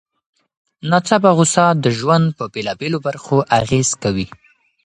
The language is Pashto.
ناڅاپه غوسه د ژوند په بېلابېلو برخو اغېز کوي.